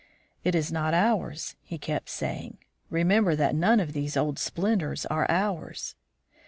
"It is not ours," he kept saying; "remember that none of these old splendors are ours."